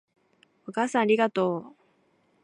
お母さんありがとう